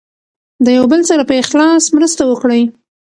د یو بل سره په اخلاص مرسته وکړئ.